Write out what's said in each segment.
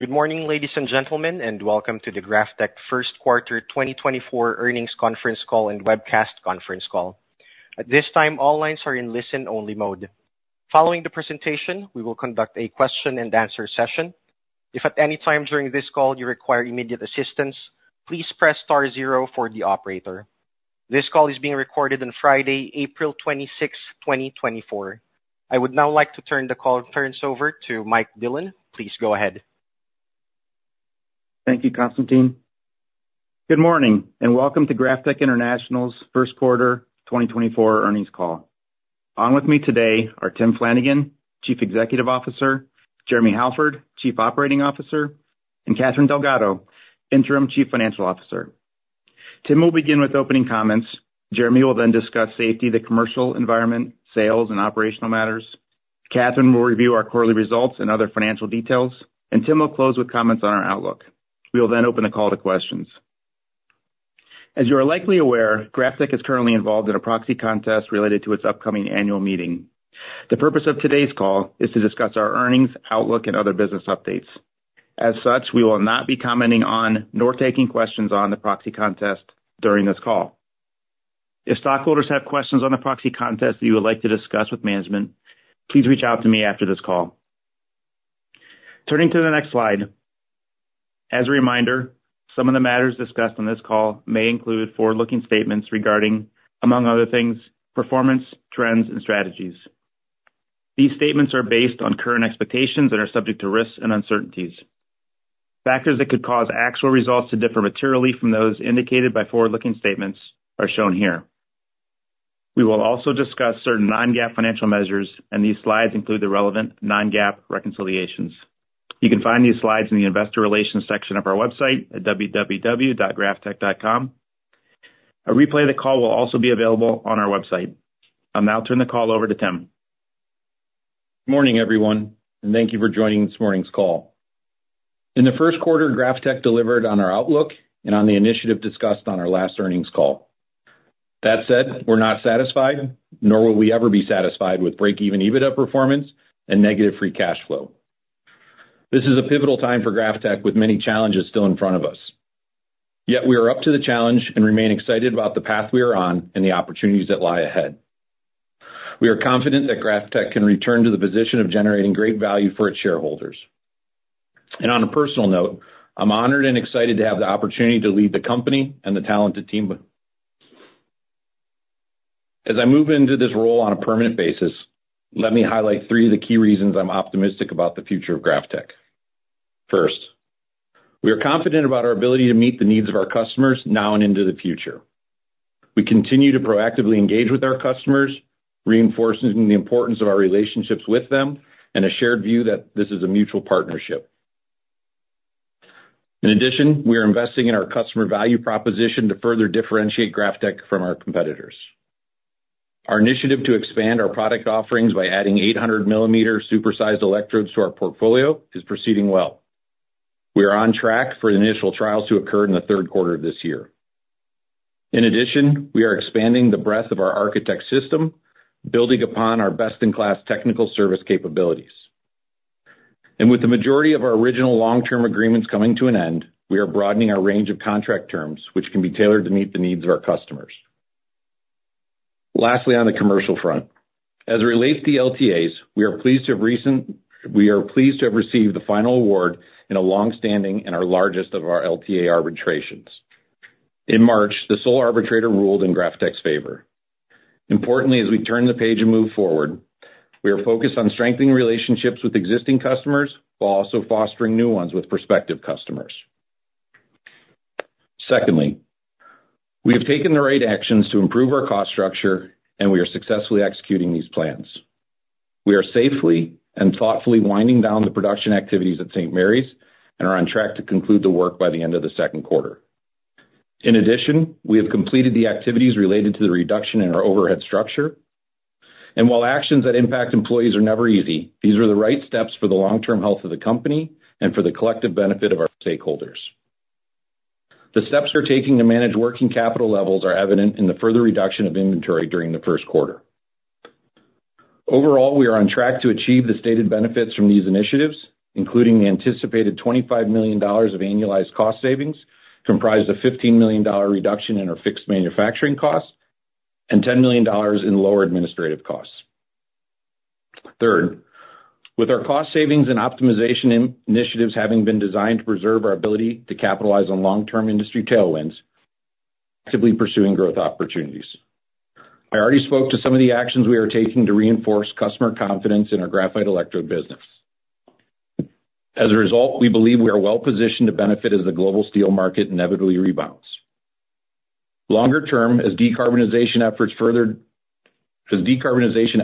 Good morning, ladies and gentlemen, and welcome to the GrafTech First Quarter 2024 Earnings Conference Call and Webcast. At this time, all lines are in listen-only mode. Following the presentation, we will conduct a question-and-answer session. If at any time during this call you require immediate assistance, please press star zero for the operator. This call is being recorded on Friday, April 26th, 2024. I would now like to turn the call over to Mike Dillon. Please go ahead. Thank you, Constantine. Good morning, and welcome to GrafTech International's first quarter 2024 earnings call. On with me today are Tim Flanagan, Chief Executive Officer, Jeremy Halford, Chief Operating Officer, and Catherine Delgado, Interim Chief Financial Officer. Tim will begin with opening comments. Jeremy will then discuss safety, the commercial environment, sales, and operational matters. Catherine will review our quarterly results and other financial details, and Tim will close with comments on our outlook. We will then open the call to questions. As you are likely aware, GrafTech is currently involved in a proxy contest related to its upcoming annual meeting. The purpose of today's call is to discuss our earnings, outlook, and other business updates. As such, we will not be commenting on nor taking questions on the proxy contest during this call. If stockholders have questions on the proxy contest that you would like to discuss with management, please reach out to me after this call. Turning to the next slide. As a reminder, some of the matters discussed on this call may include forward-looking statements regarding, among other things, performance, trends, and strategies. These statements are based on current expectations and are subject to risks and uncertainties. Factors that could cause actual results to differ materially from those indicated by forward-looking statements are shown here. We will also discuss certain non-GAAP financial measures, and these slides include the relevant non-GAAP reconciliations. You can find these slides in the Investor Relations section of our website at www.graftech.com. A replay of the call will also be available on our website. I'll now turn the call over to Tim. Good morning, everyone, and thank you for joining this morning's call. In the first quarter, GrafTech delivered on our outlook and on the initiative discussed on our last earnings call. That said, we're not satisfied, nor will we ever be satisfied with break-even EBITDA performance and negative free cash flow. This is a pivotal time for GrafTech, with many challenges still in front of us. Yet we are up to the challenge and remain excited about the path we are on and the opportunities that lie ahead. We are confident that GrafTech can return to the position of generating great value for its shareholders. On a personal note, I'm honored and excited to have the opportunity to lead the company and the talented team. As I move into this role on a permanent basis, let me highlight three of the key reasons I'm optimistic about the future of GrafTech. First, we are confident about our ability to meet the needs of our customers now and into the future. We continue to proactively engage with our customers, reinforcing the importance of our relationships with them and a shared view that this is a mutual partnership. In addition, we are investing in our customer value proposition to further differentiate GrafTech from our competitors. Our initiative to expand our product offerings by adding 800 mm super-sized electrodes to our portfolio is proceeding well. We are on track for the initial trials to occur in the third quarter of this year. In addition, we are expanding the breadth of our ArchiTech system, building upon our best-in-class technical service capabilities. With the majority of our original long-term agreements coming to an end, we are broadening our range of contract terms, which can be tailored to meet the needs of our customers. Lastly, on the commercial front, as it relates to LTAs, we are pleased to have received the final award in a long-standing and our largest of our LTA arbitrations. In March, the sole arbitrator ruled in GrafTech's favor. Importantly, as we turn the page and move forward, we are focused on strengthening relationships with existing customers while also fostering new ones with prospective customers. Secondly, we have taken the right actions to improve our cost structure, and we are successfully executing these plans. We are safely and thoughtfully winding down the production activities at St. Marys and are on track to conclude the work by the end of the second quarter. In addition, we have completed the activities related to the reduction in our overhead structure, and while actions that impact employees are never easy, these are the right steps for the long-term health of the company and for the collective benefit of our stakeholders. The steps we're taking to manage working capital levels are evident in the further reduction of inventory during the first quarter. Overall, we are on track to achieve the stated benefits from these initiatives, including the anticipated $25 million of annualized cost savings, comprised a $15 million reduction in our fixed manufacturing costs and $10 million in lower administrative costs. Third, with our cost savings and optimization in initiatives having been designed to preserve our ability to capitalize on long-term industry tailwinds, actively pursuing growth opportunities. I already spoke to some of the actions we are taking to reinforce customer confidence in our graphite electrode business. As a result, we believe we are well positioned to benefit as the global steel market inevitably rebounds. Longer term, as decarbonization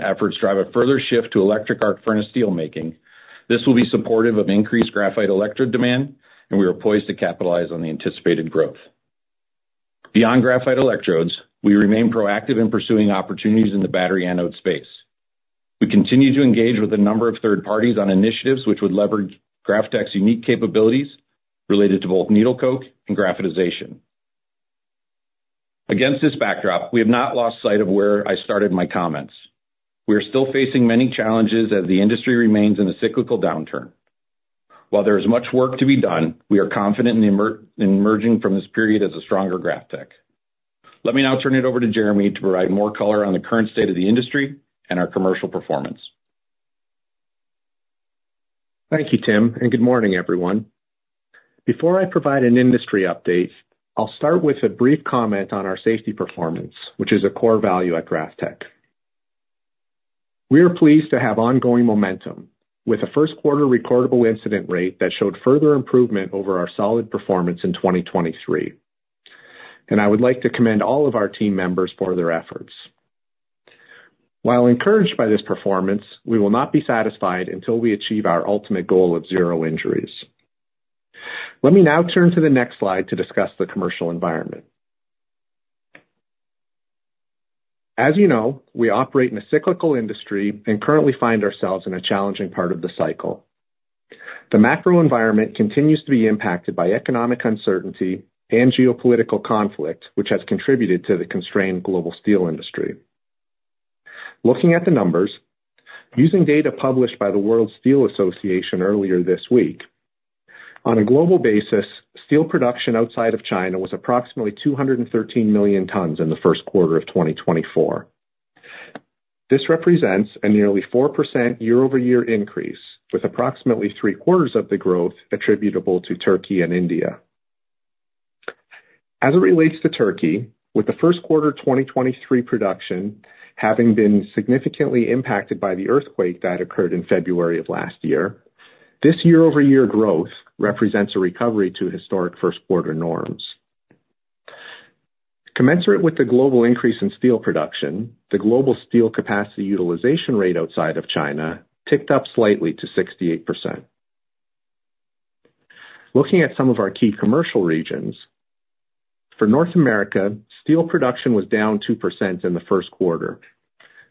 efforts drive a further shift to electric arc furnace steelmaking, this will be supportive of increased graphite electrode demand, and we are poised to capitalize on the anticipated growth. Beyond graphite electrodes, we remain proactive in pursuing opportunities in the battery anode space. We continue to engage with a number of third parties on initiatives which would leverage GrafTech's unique capabilities related to both needle coke and graphitization. Against this backdrop, we have not lost sight of where I started my comments. We are still facing many challenges as the industry remains in a cyclical downturn. While there is much work to be done, we are confident in emerging from this period as a stronger GrafTech. Let me now turn it over to Jeremy to provide more color on the current state of the industry and our commercial performance. Thank you, Tim, and good morning, everyone. Before I provide an industry update, I'll start with a brief comment on our safety performance, which is a core value at GrafTech. We are pleased to have ongoing momentum, with a first quarter recordable incident rate that showed further improvement over our solid performance in 2023, and I would like to commend all of our team members for their efforts. While encouraged by this performance, we will not be satisfied until we achieve our ultimate goal of zero injuries. Let me now turn to the next slide to discuss the commercial environment. As you know, we operate in a cyclical industry and currently find ourselves in a challenging part of the cycle. The macro environment continues to be impacted by economic uncertainty and geopolitical conflict, which has contributed to the constrained global steel industry. Looking at the numbers, using data published by the World Steel Association earlier this week, on a global basis, steel production outside of China was approximately 213 million tons in the first quarter of 2024. This represents a nearly 4% year-over-year increase, with approximately three-quarters of the growth attributable to Turkey and India. As it relates to Turkey, with the first quarter 2023 production having been significantly impacted by the earthquake that occurred in February of last year, this year-over-year growth represents a recovery to historic first quarter norms. Commensurate with the global increase in steel production, the global steel capacity utilization rate outside of China ticked up slightly to 68%. Looking at some of our key commercial regions, for North America, steel production was down 2% in the first quarter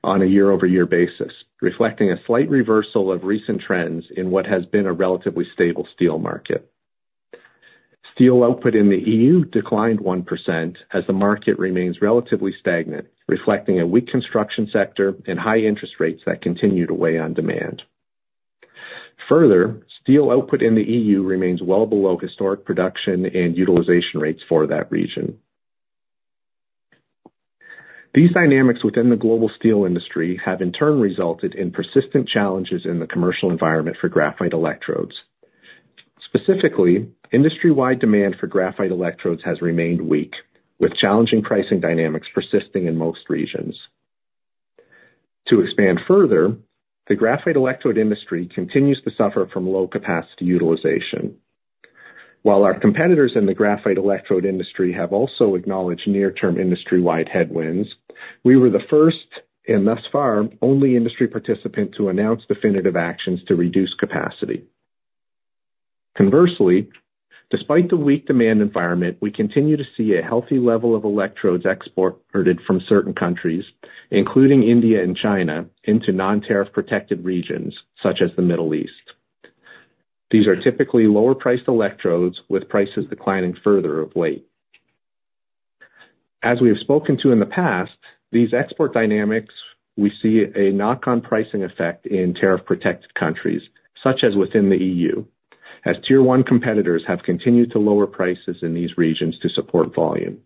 on a year-over-year basis, reflecting a slight reversal of recent trends in what has been a relatively stable steel market. Steel output in the EU declined 1%, as the market remains relatively stagnant, reflecting a weak construction sector and high interest rates that continue to weigh on demand. Further, steel output in the EU remains well below historic production and utilization rates for that region. These dynamics within the global steel industry have in turn resulted in persistent challenges in the commercial environment for graphite electrodes. Specifically, industry-wide demand for graphite electrodes has remained weak, with challenging pricing dynamics persisting in most regions. To expand further, the graphite electrode industry continues to suffer from low capacity utilization. While our competitors in the graphite electrode industry have also acknowledged near-term industry-wide headwinds, we were the first and thus far, only industry participant to announce definitive actions to reduce capacity. Conversely, despite the weak demand environment, we continue to see a healthy level of electrodes export headed from certain countries, including India and China, into non-tariff protected regions such as the Middle East. These are typically lower priced electrodes, with prices declining further of late. As we have spoken to in the past, these export dynamics, we see a knock-on pricing effect in tariff protected countries, such as within the EU, as tier one competitors have continued to lower prices in these regions to support volume.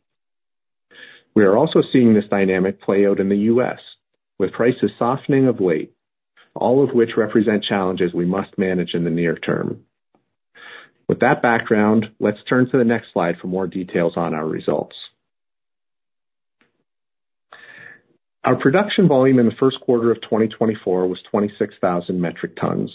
We are also seeing this dynamic play out in the U.S., with prices softening of late, all of which represent challenges we must manage in the near term. With that background, let's turn to the next slide for more details on our results. Our production volume in the first quarter of 2024 was 26,000 metric tons.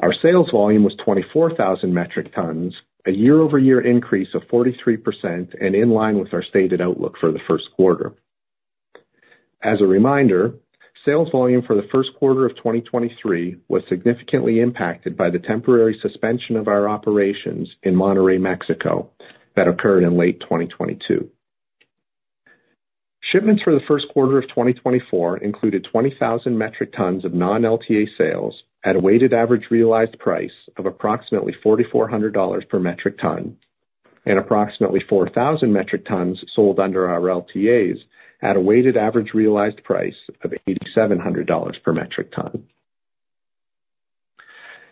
Our sales volume was 24,000 metric tons, a year-over-year increase of 43% and in line with our stated outlook for the first quarter. As a reminder, sales volume for the first quarter of 2023 was significantly impacted by the temporary suspension of our operations in Monterrey, Mexico, that occurred in late 2022. Shipments for the first quarter of 2024 included 20,000 metric tons of non-LTA sales at a weighted average realized price of approximately $4,400 per metric ton and approximately 4,000 metric tons sold under our LTAs at a weighted average realized price of $8,700 per metric ton.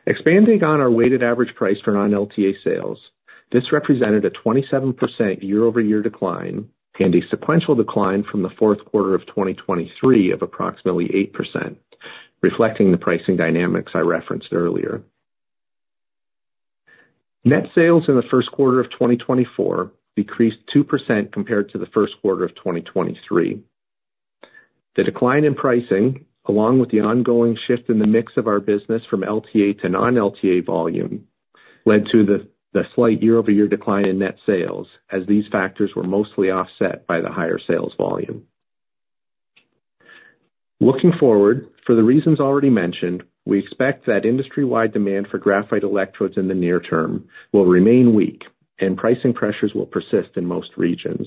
Expanding on our weighted average price for non-LTA sales, this represented a 27% year-over-year decline and a sequential decline from the fourth quarter of 2023 of approximately 8%, reflecting the pricing dynamics I referenced earlier. Net sales in the first quarter of 2024 decreased 2% compared to the first quarter of 2023. The decline in pricing, along with the ongoing shift in the mix of our business from LTA to non-LTA volume, led to the slight year-over-year decline in net sales, as these factors were mostly offset by the higher sales volume. Looking forward, for the reasons already mentioned, we expect that industry-wide demand for graphite electrodes in the near term will remain weak and pricing pressures will persist in most regions.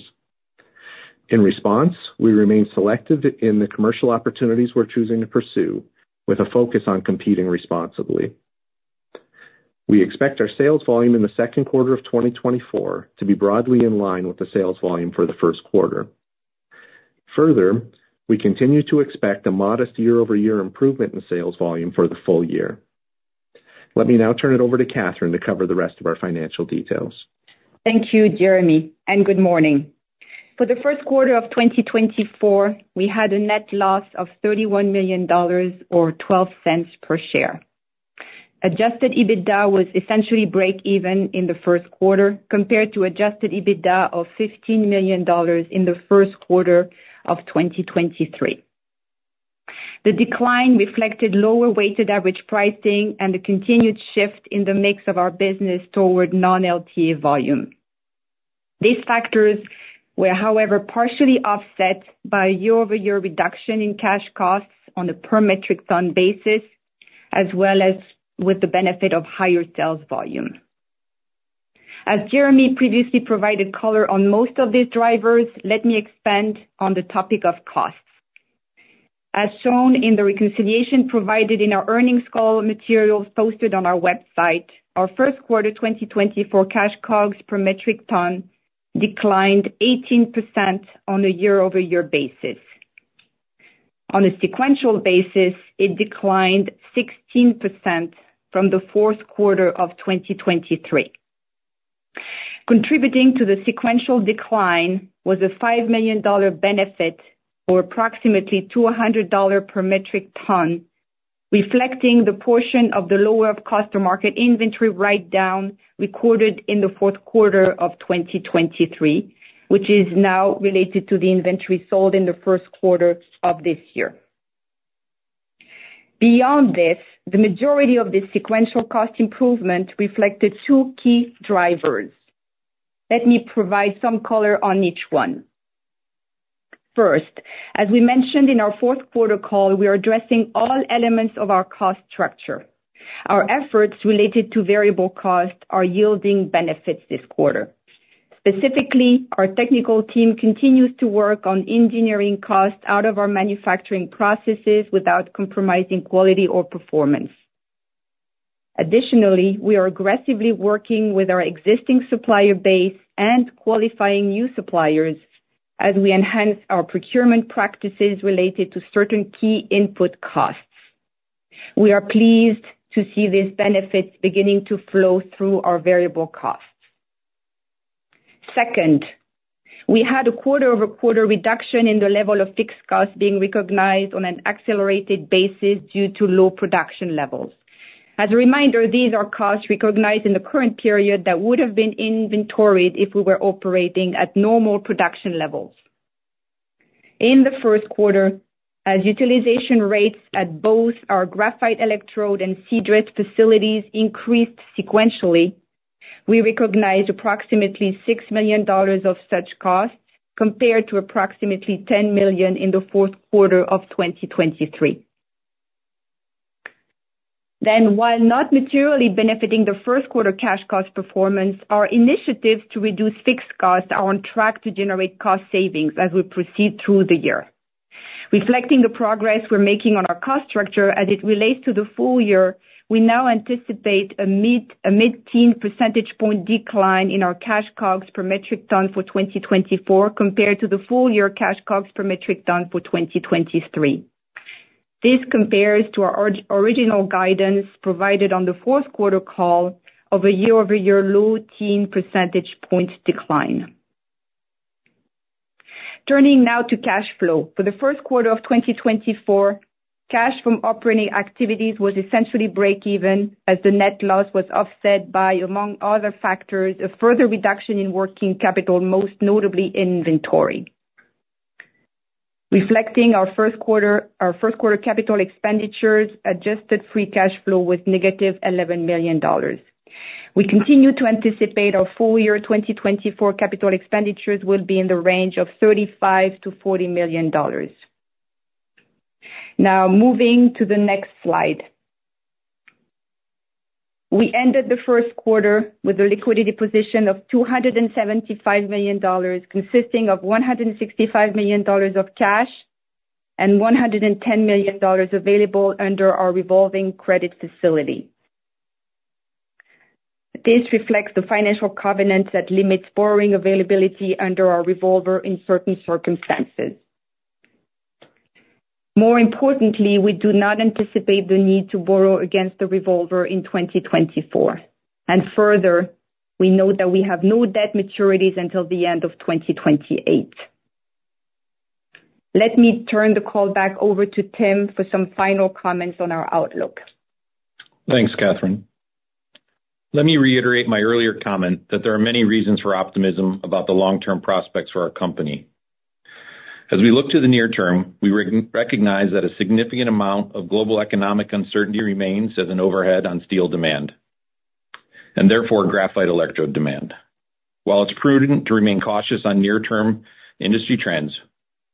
In response, we remain selective in the commercial opportunities we're choosing to pursue, with a focus on competing responsibly.... We expect our sales volume in the second quarter of 2024 to be broadly in line with the sales volume for the first quarter. Further, we continue to expect a modest year-over-year improvement in sales volume for the full year. Let me now turn it over to Catherine to cover the rest of our financial details. Thank you, Jeremy, and good morning. For the first quarter of 2024, we had a net loss of $31 million or $0.12 per share. Adjusted EBITDA was essentially break even in the first quarter, compared to adjusted EBITDA of $15 million in the first quarter of 2023. The decline reflected lower weighted average pricing and a continued shift in the mix of our business toward non-LTA volume. These factors were, however, partially offset by a year-over-year reduction in cash costs on a per metric ton basis, as well as with the benefit of higher sales volume. As Jeremy previously provided color on most of these drivers, let me expand on the topic of costs. As shown in the reconciliation provided in our earnings call materials posted on our website, our first quarter 2024 cash COGS per metric ton declined 18% on a year-over-year basis. On a sequential basis, it declined 16% from the fourth quarter of 2023. Contributing to the sequential decline was a $5 million benefit, or approximately $200 per metric ton, reflecting the portion of the lower cost to market inventory write-down recorded in the fourth quarter of 2023, which is now related to the inventory sold in the first quarter of this year. Beyond this, the majority of this sequential cost improvement reflected two key drivers. Let me provide some color on each one. First, as we mentioned in our fourth quarter call, we are addressing all elements of our cost structure. Our efforts related to variable costs are yielding benefits this quarter. Specifically, our technical team continues to work on engineering costs out of our manufacturing processes without compromising quality or performance. Additionally, we are aggressively working with our existing supplier base and qualifying new suppliers as we enhance our procurement practices related to certain key input costs. We are pleased to see these benefits beginning to flow through our variable costs. Second, we had a quarter-over-quarter reduction in the level of fixed costs being recognized on an accelerated basis due to low production levels. As a reminder, these are costs recognized in the current period that would have been inventoried if we were operating at normal production levels. In the first quarter, as utilization rates at both our graphite electrode and Seadrift facilities increased sequentially, we recognized approximately $6 million of such costs, compared to approximately $10 million in the fourth quarter of 2023. Then, while not materially benefiting the first quarter cash cost performance, our initiatives to reduce fixed costs are on track to generate cost savings as we proceed through the year. Reflecting the progress we're making on our cost structure as it relates to the full year, we now anticipate a mid-teen percentage point decline in our cash COGS per metric ton for 2024, compared to the full year cash COGS per metric ton for 2023. This compares to our original guidance provided on the fourth quarter call of a year-over-year low-teen percentage point decline. Turning now to cash flow. For the first quarter of 2024, cash from operating activities was essentially break even, as the net loss was offset by, among other factors, a further reduction in working capital, most notably inventory. Reflecting our first quarter, our first quarter capital expenditures, adjusted free cash flow was negative $11 million. We continue to anticipate our full-year 2024 capital expenditures will be in the range of $35 million-$40 million. Now, moving to the next slide. We ended the first quarter with a liquidity position of $275 million, consisting of $165 million of cash and $110 million available under our revolving credit facility. This reflects the financial covenants that limit borrowing availability under our revolver in certain circumstances. More importantly, we do not anticipate the need to borrow against the revolver in 2024, and further, we know that we have no debt maturities until the end of 2028. Let me turn the call back over to Tim for some final comments on our outlook. Thanks, Catherine. Let me reiterate my earlier comment that there are many reasons for optimism about the long-term prospects for our company. As we look to the near term, we recognize that a significant amount of global economic uncertainty remains as an overhead on steel demand, and therefore graphite electrode demand. While it's prudent to remain cautious on near-term industry trends,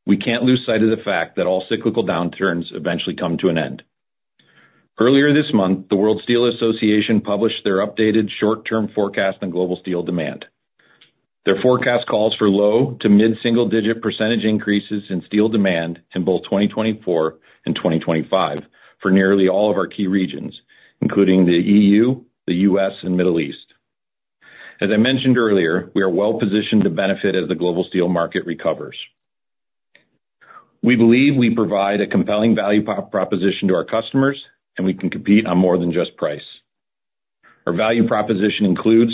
we can't lose sight of the fact that all cyclical downturns eventually come to an end. Earlier this month, the World Steel Association published their updated short-term forecast on global steel demand.... Their forecast calls for low- to mid-single-digit percentage increases in steel demand in both 2024 and 2025 for nearly all of our key regions, including the EU, the U.S., and Middle East. As I mentioned earlier, we are well-positioned to benefit as the global steel market recovers. We believe we provide a compelling value proposition to our customers, and we can compete on more than just price. Our value proposition includes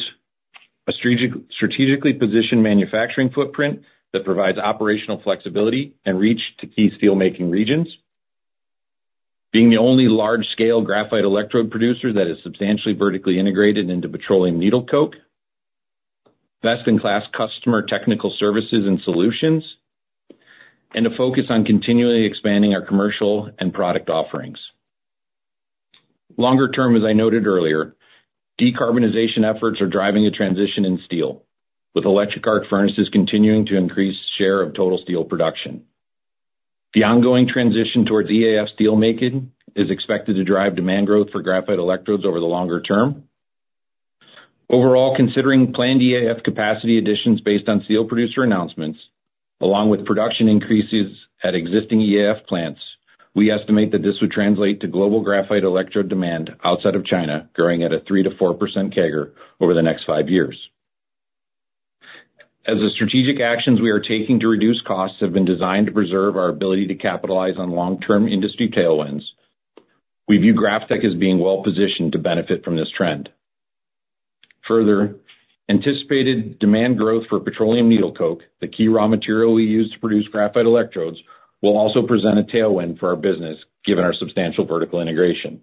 a strategically positioned manufacturing footprint that provides operational flexibility and reach to key steelmaking regions, being the only large-scale graphite electrode producer that is substantially vertically integrated into petroleum needle coke, best-in-class customer technical services and solutions, and a focus on continually expanding our commercial and product offerings. Longer term, as I noted earlier, decarbonization efforts are driving a transition in steel, with electric arc furnaces continuing to increase share of total steel production. The ongoing transition towards EAF steelmaking is expected to drive demand growth for graphite electrodes over the longer term. Overall, considering planned EAF capacity additions based on steel producer announcements, along with production increases at existing EAF plants, we estimate that this would translate to global graphite electrode demand outside of China, growing at a 3%-4% CAGR over the next five years. As the strategic actions we are taking to reduce costs have been designed to preserve our ability to capitalize on long-term industry tailwinds, we view GrafTech as being well positioned to benefit from this trend. Further, anticipated demand growth for petroleum needle coke, the key raw material we use to produce graphite electrodes, will also present a tailwind for our business, given our substantial vertical integration.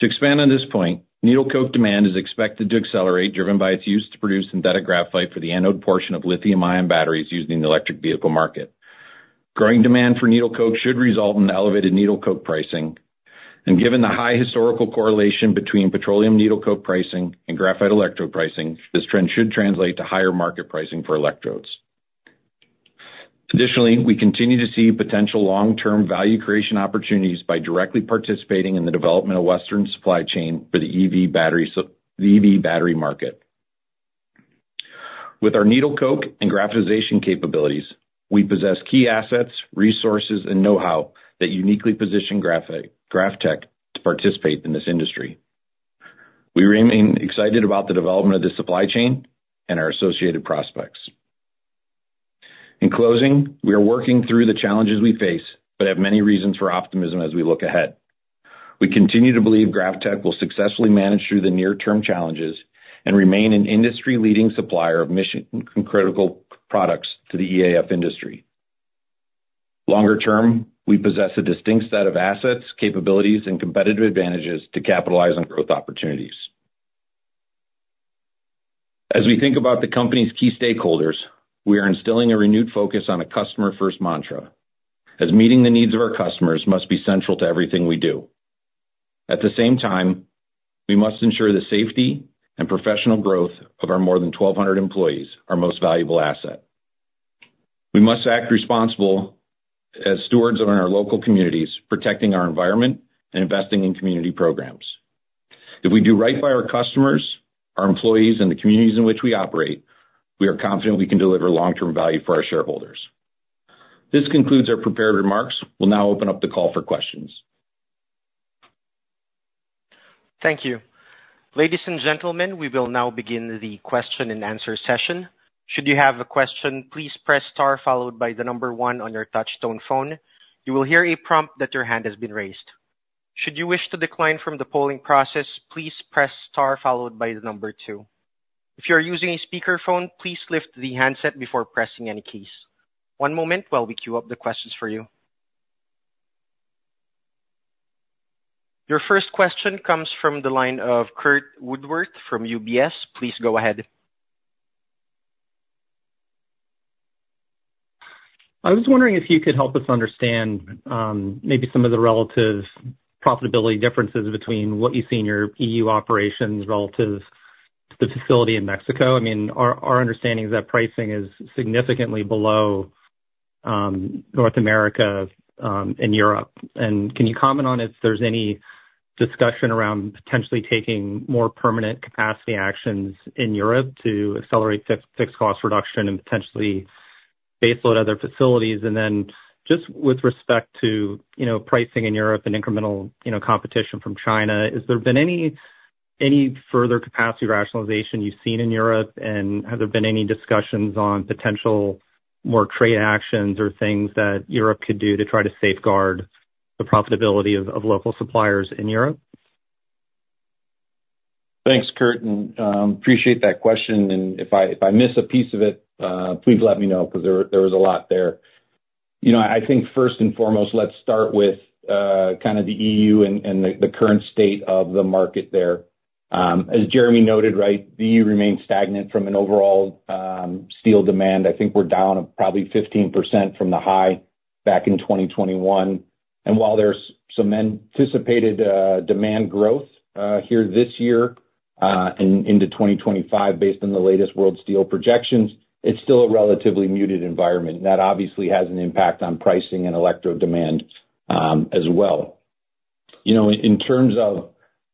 To expand on this point, needle coke demand is expected to accelerate, driven by its use to produce synthetic graphite for the anode portion of lithium-ion batteries used in the electric vehicle market. Growing demand for needle coke should result in elevated needle coke pricing, and given the high historical correlation between petroleum needle coke pricing and graphite electrode pricing, this trend should translate to higher market pricing for electrodes. Additionally, we continue to see potential long-term value creation opportunities by directly participating in the development of Western supply chain for the EV battery market. With our needle coke and graphitization capabilities, we possess key assets, resources, and know-how that uniquely position GrafTech to participate in this industry. We remain excited about the development of this supply chain and our associated prospects. In closing, we are working through the challenges we face, but have many reasons for optimism as we look ahead. We continue to believe GrafTech will successfully manage through the near-term challenges and remain an industry-leading supplier of mission and critical products to the EAF industry. Longer term, we possess a distinct set of assets, capabilities, and competitive advantages to capitalize on growth opportunities. As we think about the company's key stakeholders, we are instilling a renewed focus on a customer-first mantra, as meeting the needs of our customers must be central to everything we do. At the same time, we must ensure the safety and professional growth of our more than 1,200 employees, our most valuable asset. We must act responsibly as stewards of our local communities, protecting our environment and investing in community programs. If we do right by our customers, our employees, and the communities in which we operate, we are confident we can deliver long-term value for our shareholders. This concludes our prepared remarks. We'll now open up the call for questions. Thank you. Ladies and gentlemen, we will now begin the question-and-answer session. Should you have a question, please press star followed by the number one on your touchtone phone. You will hear a prompt that your hand has been raised. Should you wish to decline from the polling process, please press star followed by the number two. If you are using a speakerphone, please lift the handset before pressing any keys. One moment while we queue up the questions for you. Your first question comes from the line of Curt Woodworth from UBS. Please go ahead. I was wondering if you could help us understand, maybe some of the relative profitability differences between what you see in your EU operations relative to the facility in Mexico. I mean, our understanding is that pricing is significantly below North America and Europe. And can you comment on if there's any discussion around potentially taking more permanent capacity actions in Europe to accelerate fixed cost reduction and potentially baseload other facilities? And then just with respect to, you know, pricing in Europe and incremental, you know, competition from China, has there been any further capacity rationalization you've seen in Europe, and have there been any discussions on potential more trade actions or things that Europe could do to try to safeguard the profitability of local suppliers in Europe? Thanks, Curt, and appreciate that question, and if I miss a piece of it, please let me know, because there was a lot there. You know, I think first and foremost, let's start with kind of the EU and the current state of the market there. As Jeremy noted, right, the EU remains stagnant from an overall steel demand. I think we're down probably 15% from the high back in 2021. And while there's some anticipated demand growth here this year and into 2025, based on the latest world steel projections, it's still a relatively muted environment. That obviously has an impact on pricing and electrode demand, as well.... You know, in terms of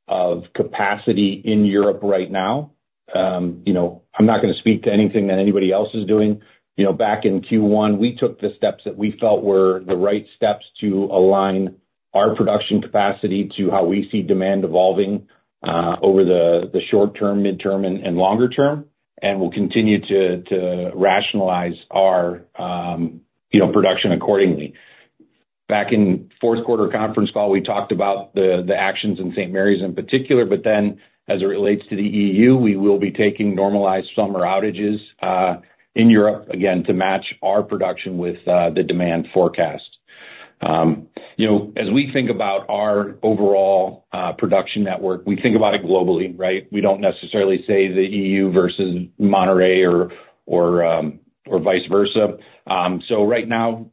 of capacity in Europe right now, you know, I'm not gonna speak to anything that anybody else is doing. You know, back in Q1, we took the steps that we felt were the right steps to align our production capacity to how we see demand evolving over the short term, midterm, and longer term, and we'll continue to rationalize our, you know, production accordingly. Back in fourth quarter conference call, we talked about the actions in St. Marys in particular, but then as it relates to the EU, we will be taking normalized summer outages in Europe, again, to match our production with the demand forecast. You know, as we think about our overall production network, we think about it globally, right? We don't necessarily say the EU versus Monterrey or vice versa. So right now,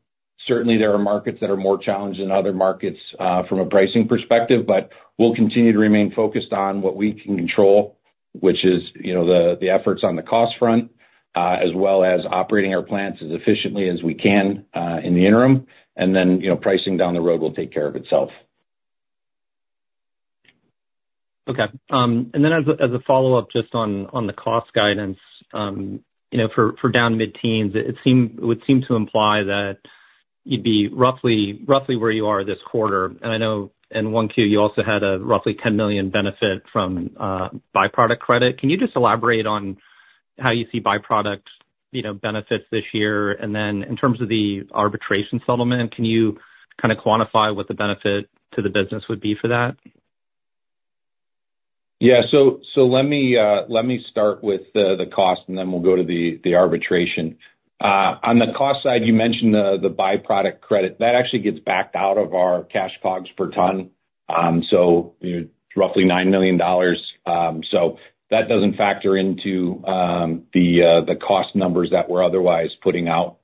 certainly there are markets that are more challenged than other markets from a pricing perspective, but we'll continue to remain focused on what we can control, which is, you know, the efforts on the cost front, as well as operating our plants as efficiently as we can, in the interim. And then, you know, pricing down the road will take care of itself. Okay. And then as a follow-up, just on the cost guidance, you know, for down mid-teens, it would seem to imply that you'd be roughly where you are this quarter. And I know in 1Q, you also had a roughly $10 million benefit from byproduct credit. Can you just elaborate on how you see byproducts, you know, benefits this year? And then in terms of the arbitration settlement, can you kind of quantify what the benefit to the business would be for that? Yeah. So let me start with the cost, and then we'll go to the arbitration. On the cost side, you mentioned the byproduct credit. That actually gets backed out of our cash COGS per ton, so roughly $9 million. So that doesn't factor into the cost numbers that we're otherwise putting out,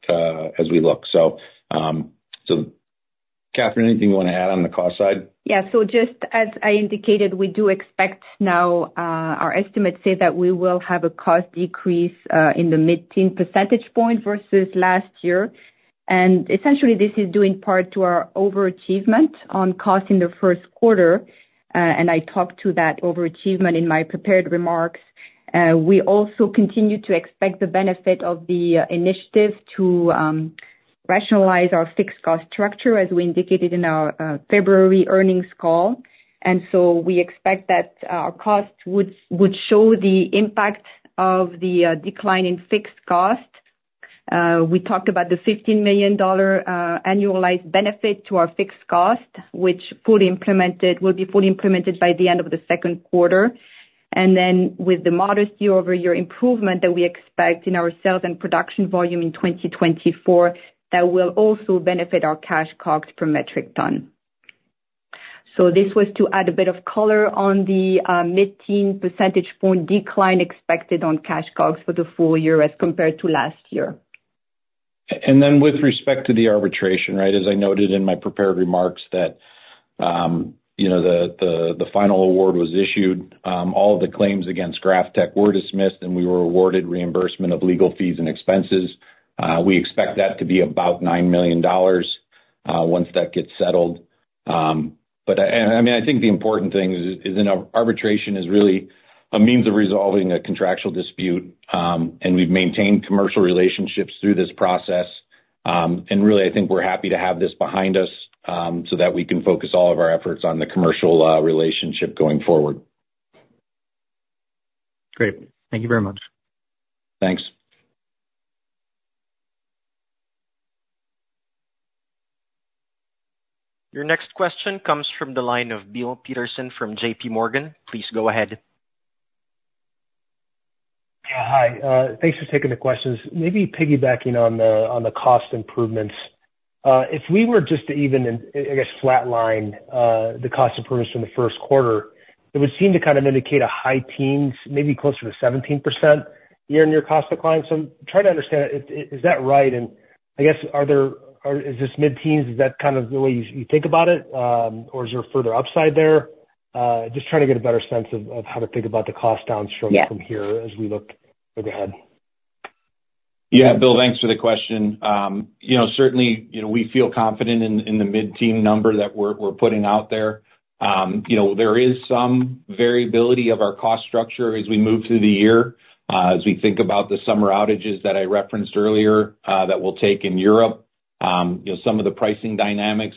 as we look. So Catherine, anything you want to add on the cost side? Yeah. So just as I indicated, we do expect now, our estimates say that we will have a cost decrease in the mid-teen percentage point versus last year. And essentially, this is due in part to our overachievement on cost in the first quarter, and I talked to that overachievement in my prepared remarks. We also continue to expect the benefit of the initiative to rationalize our fixed cost structure, as we indicated in our February earnings call. And so we expect that our costs would show the impact of the decline in fixed cost. We talked about the $15 million annualized benefit to our fixed cost, which will be fully implemented by the end of the second quarter. And then, with the modest year-over-year improvement that we expect in our sales and production volume in 2024, that will also benefit our cash COGS per metric ton. So this was to add a bit of color on the mid-teen percentage point decline expected on cash COGS for the full year as compared to last year. Then with respect to the arbitration, right? As I noted in my prepared remarks, that, you know, the final award was issued, all of the claims against GrafTech were dismissed, and we were awarded reimbursement of legal fees and expenses. We expect that to be about $9 million once that gets settled. I mean, I think the important thing is arbitration is really a means of resolving a contractual dispute, and we've maintained commercial relationships through this process. And really, I think we're happy to have this behind us, so that we can focus all of our efforts on the commercial relationship going forward. Great. Thank you very much. Thanks. Your next question comes from the line of Bill Peterson from JPMorgan. Please go ahead. Yeah, hi. Thanks for taking the questions. Maybe piggybacking on the cost improvements, if we were just to even, I guess, flatline the cost improvements from the first quarter, it would seem to kind of indicate a high teens, maybe closer to 17% year-over-year cost decline. So I'm trying to understand, is that right? And I guess, is this mid-teens, is that kind of the way you think about it, or is there further upside there? Just trying to get a better sense of how to think about the cost down from- Yeah... from here as we look ahead. Yeah, Bill, thanks for the question. You know, certainly, you know, we feel confident in the mid-teen number that we're putting out there. You know, there is some variability of our cost structure as we move through the year, as we think about the summer outages that I referenced earlier, that we'll take in Europe. You know, some of the pricing dynamics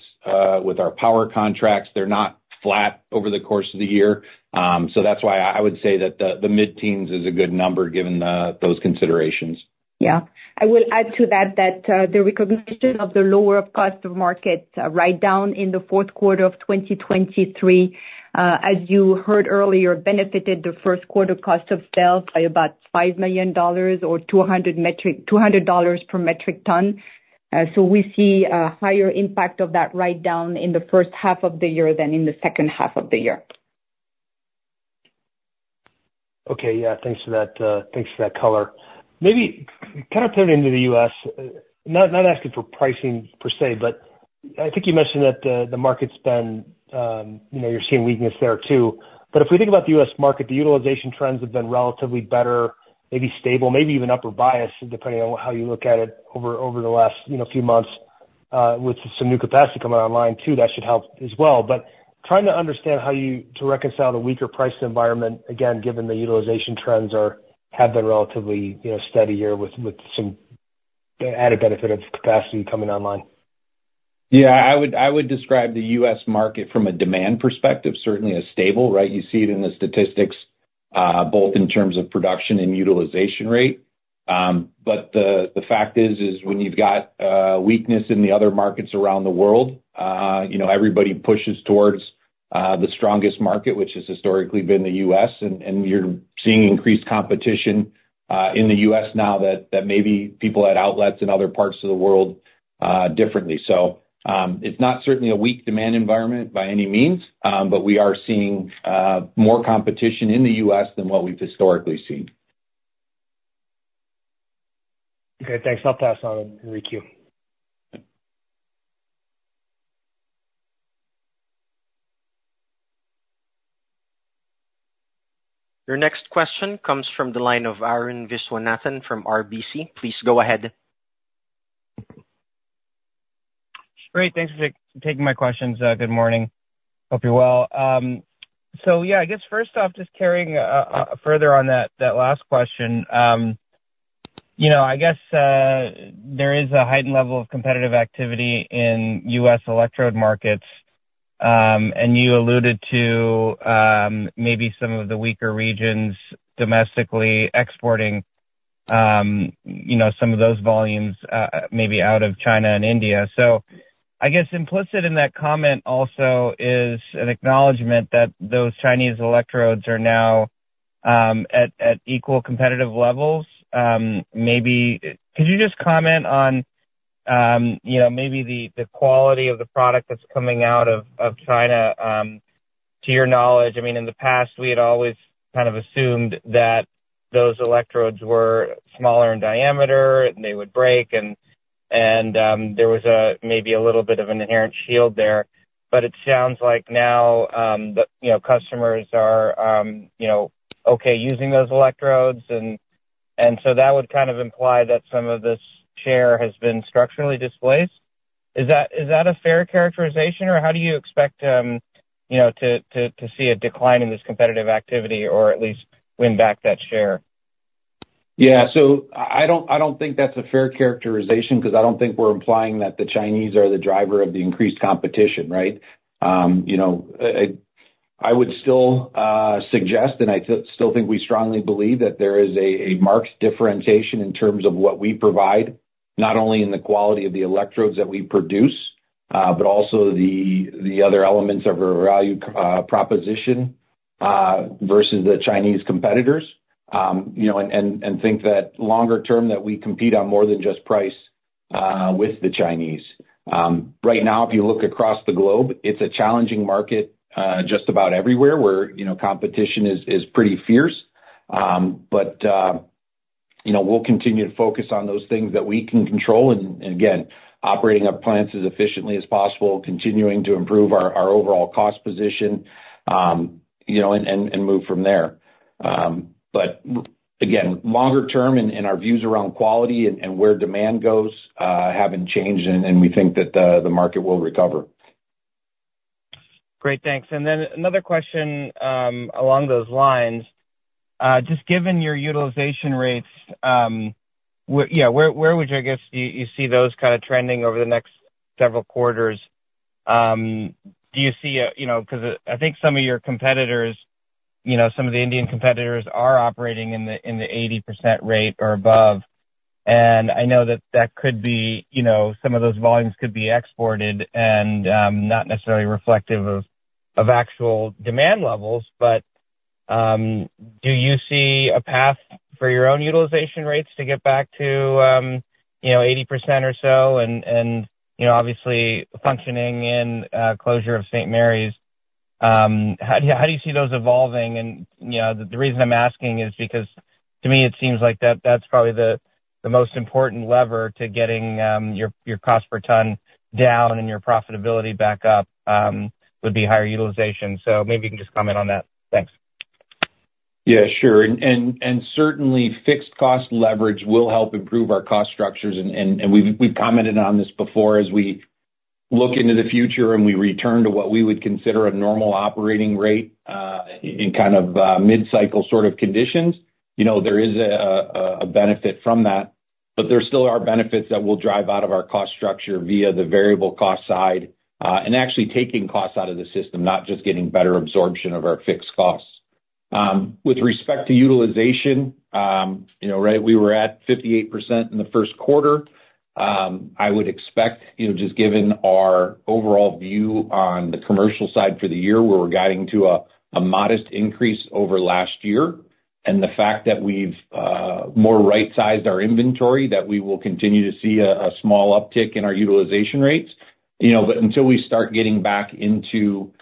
with our power contracts, they're not flat over the course of the year. So that's why I would say that the mid-teens is a good number, given those considerations. Yeah. I will add to that, that, the recognition of the lower of cost or market writedown in the fourth quarter of 2023, as you heard earlier, benefited the first quarter cost of sales by about $5 million or $200 per metric ton. So we see a higher impact of that writedown in the first half of the year than in the second half of the year. Okay, yeah. Thanks for that, thanks for that color. Maybe kind of turning to the U.S., not, not asking for pricing per se, but I think you mentioned that the, the market's been, you know, you're seeing weakness there, too. But if we think about the U.S. market, the utilization trends have been relatively better, maybe stable, maybe even upper bias, depending on how you look at it over, over the last, you know, few months, with some new capacity coming online too, that should help as well. But trying to understand how you to reconcile the weaker price environment, again, given the utilization trends are, have been relatively, you know, steadier with, with some added benefit of capacity coming online. Yeah, I would describe the U.S. market from a demand perspective, certainly as stable, right? You see it in the statistics, both in terms of production and utilization rate. But the fact is, when you've got weakness in the other markets around the world, you know, everybody pushes towards the strongest market, which has historically been the U.S., and you're seeing increased competition in the U.S. now that maybe people had outlets in other parts of the world differently. So, it's not certainly a weak demand environment by any means, but we are seeing more competition in the U.S. than what we've historically seen. Okay, thanks. I'll pass it on and re-queue. Your next question comes from the line of Arun Viswanathan from RBC. Please go ahead. Great. Thanks for taking my questions. Good morning. Hope you're well. So yeah, I guess first off, just carrying further on that last question. You know, I guess there is a heightened level of competitive activity in U.S. electrode markets, and you alluded to maybe some of the weaker regions domestically exporting, you know, some of those volumes, maybe out of China and India. So I guess implicit in that comment also is an acknowledgment that those Chinese electrodes are now at equal competitive levels. Maybe... Could you just comment on, you know, maybe the quality of the product that's coming out of China, to your knowledge? I mean, in the past, we had always kind of assumed that those electrodes were smaller in diameter, and they would break, and there was maybe a little bit of an inherent shield there. But it sounds like now, the, you know, customers are, you know, okay using those electrodes, and so that would kind of imply that some of this share has been structurally displaced. Is that a fair characterization, or how do you expect, you know, to see a decline in this competitive activity or at least win back that share? Yeah. So I don't think that's a fair characterization because I don't think we're implying that the Chinese are the driver of the increased competition, right? You know, I would still suggest, and I still think we strongly believe that there is a marked differentiation in terms of what we provide, not only in the quality of the electrodes that we produce, but also the other elements of our value proposition versus the Chinese competitors. You know, and think that longer term, that we compete on more than just price with the Chinese. Right now, if you look across the globe, it's a challenging market just about everywhere, where you know, competition is pretty fierce. But, you know, we'll continue to focus on those things that we can control, and again, operating our plants as efficiently as possible, continuing to improve our overall cost position, you know, and move from there. But again, longer term and our views around quality and where demand goes haven't changed, and we think that the market will recover. Great, thanks. And then another question, along those lines. Just given your utilization rates, where would you, I guess, you see those kind of trending over the next several quarters? Do you see a, you know, because I think some of your competitors, you know, some of the Indian competitors are operating in the, in the 80% rate or above, and I know that that could be, you know, some of those volumes could be exported and, not necessarily reflective of, of actual demand levels. But, do you see a path for your own utilization rates to get back to, you know, 80% or so, and, you know, obviously, following the closure of St. Marys, how do you see those evolving? You know, the reason I'm asking is because to me, it seems like that, that's probably the most important lever to getting your cost per ton down and your profitability back up would be higher utilization. So maybe you can just comment on that. Thanks. Yeah, sure. And certainly, fixed cost leverage will help improve our cost structures, and we've commented on this before. As we look into the future and we return to what we would consider a normal operating rate, in kind of mid-cycle sort of conditions, you know, there is a benefit from that, but there still are benefits that will drive out of our cost structure via the variable cost side, and actually taking costs out of the system, not just getting better absorption of our fixed costs. With respect to utilization, you know, right, we were at 58% in the first quarter. I would expect, you know, just given our overall view on the commercial side for the year, where we're guiding to a modest increase over last year, and the fact that we've more right-sized our inventory, that we will continue to see a small uptick in our utilization rates. You know, but until we start getting back into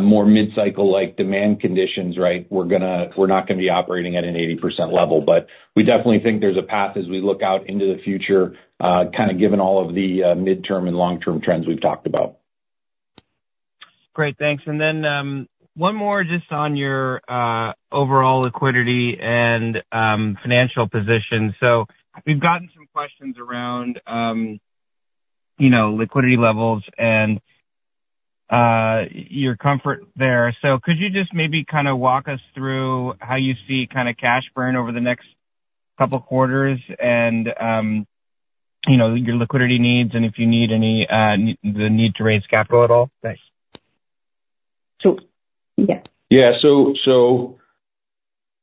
more mid-cycle-like demand conditions, right, we're gonna- we're not gonna be operating at an 80% level. But we definitely think there's a path as we look out into the future, kind of given all of the midterm and long-term trends we've talked about.... Great, thanks. And then, one more just on your overall liquidity and financial position. So we've gotten some questions around, you know, liquidity levels and your comfort there. So could you just maybe kind of walk us through how you see kind of cash burn over the next couple of quarters and, you know, your liquidity needs, and if you need any, the need to raise capital at all? Thanks. So, yeah. Yeah. So,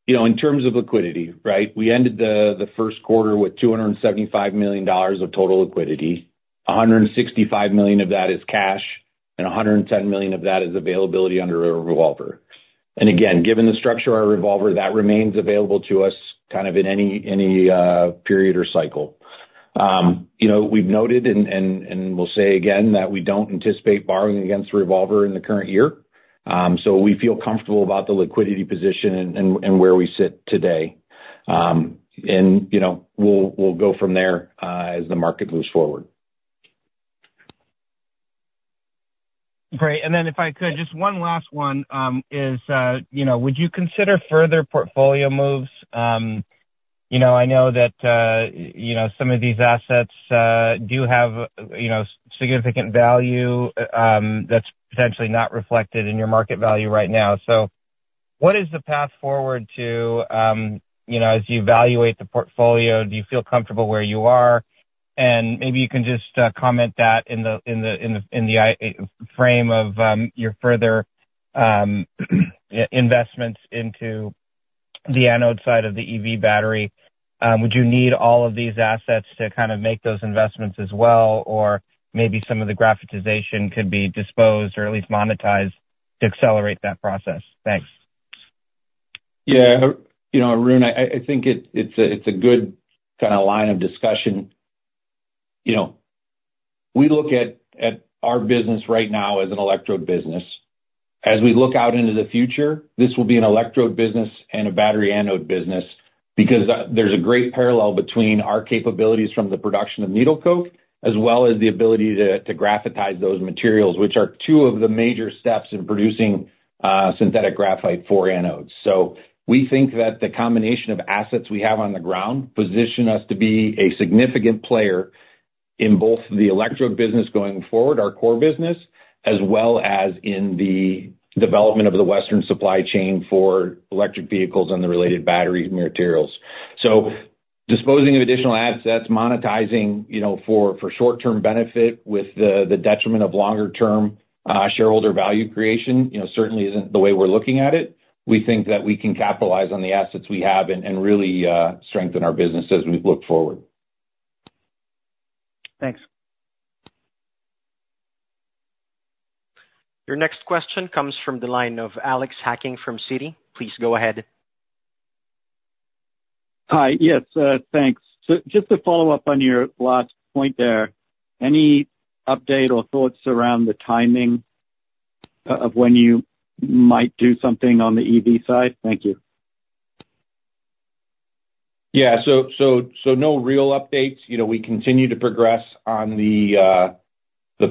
you know, in terms of liquidity, right? We ended the first quarter with $275 million of total liquidity. $165 million of that is cash, and $110 million of that is availability under a revolver. And again, given the structure of our revolver, that remains available to us kind of in any period or cycle. You know, we've noted and we'll say again, that we don't anticipate borrowing against the revolver in the current year. So we feel comfortable about the liquidity position and where we sit today. And, you know, we'll go from there as the market moves forward. Great. And then if I could, just one last one, is, you know, would you consider further portfolio moves? You know, I know that, you know, some of these assets do have, you know, significant value, that's potentially not reflected in your market value right now. So what is the path forward to, you know, as you evaluate the portfolio, do you feel comfortable where you are? And maybe you can just, comment that in the, in the, in the, in the timeframe of, your further, investments into the anode side of the EV battery. Would you need all of these assets to kind of make those investments as well? Or maybe some of the graphitization could be disposed or at least monetized to accelerate that process? Thanks. Yeah. You know, Arun, I think it's a good kind of line of discussion. You know, we look at our business right now as an electrode business. As we look out into the future, this will be an electrode business and a battery anode business because there's a great parallel between our capabilities from the production of needle coke, as well as the ability to graphitize those materials, which are two of the major steps in producing synthetic graphite for anodes. So we think that the combination of assets we have on the ground position us to be a significant player in both the electrode business going forward, our core business, as well as in the development of the Western supply chain for electric vehicles and the related battery materials. So disposing of additional assets, monetizing, you know, for, for short-term benefit with the, the detriment of longer-term, shareholder value creation, you know, certainly isn't the way we're looking at it. We think that we can capitalize on the assets we have and, and really, strengthen our business as we look forward. Thanks. Your next question comes from the line of Alex Hacking from Citi. Please go ahead. Hi. Yes, thanks. So just to follow up on your last point there, any update or thoughts around the timing of when you might do something on the EV side? Thank you. Yeah. So no real updates. You know, we continue to progress on the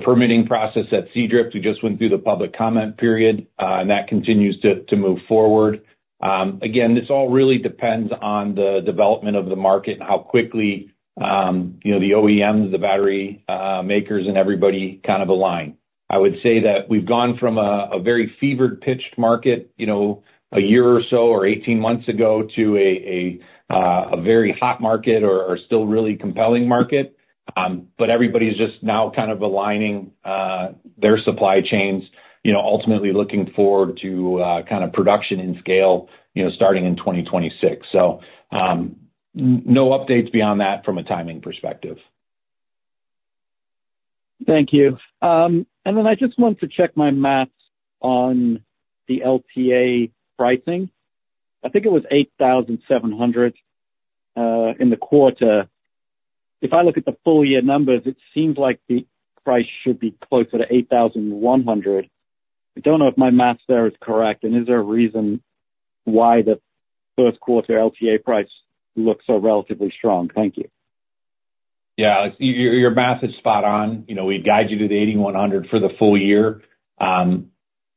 permitting process at Seadrift. We just went through the public comment period, and that continues to move forward. Again, this all really depends on the development of the market and how quickly, you know, the OEMs, the battery makers, and everybody kind of align. I would say that we've gone from a very fevered-pitched market, you know, a year or so or 18 months ago, to a very hot market or still really compelling market. But everybody's just now kind of aligning their supply chains, you know, ultimately looking forward to kind of production and scale, you know, starting in 2026. So no updates beyond that from a timing perspective. Thank you. And then I just wanted to check my math on the LTA pricing. I think it was $8,700 in the quarter. If I look at the full year numbers, it seems like the price should be closer to $8,100. I don't know if my math there is correct, and is there a reason why the first quarter LTA price looks so relatively strong? Thank you. Yeah, your, your math is spot on. You know, we guide you to the $8,100 for the full year.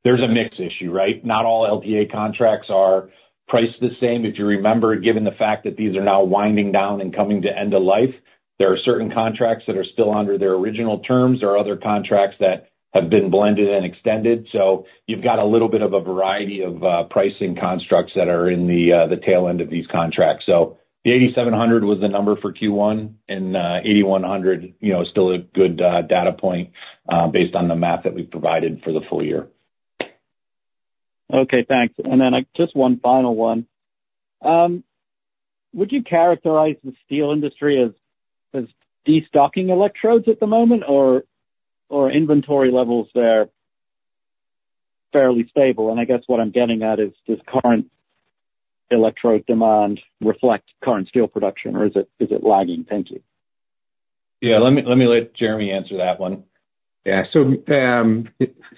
There's a mix issue, right? Not all LTA contracts are priced the same. If you remember, given the fact that these are now winding down and coming to end of life, there are certain contracts that are still under their original terms. There are other contracts that have been blended and extended. So you've got a little bit of a variety of pricing constructs that are in the tail end of these contracts. So the $8,700 was the number for Q1, and $8,100, you know, is still a good data point based on the math that we've provided for the full year. Okay, thanks. And then, just one final one. Would you characterize the steel industry as destocking electrodes at the moment, or inventory levels there fairly stable? And I guess what I'm getting at is, does current electrode demand reflect current steel production, or is it lagging? Thank you. Yeah, let me, let me let Jeremy answer that one. Yeah. So,